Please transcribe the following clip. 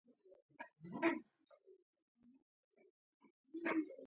اوس یې د نړۍ ډېر خلک سیل ته روان دي.